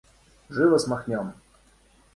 Живо смахнем!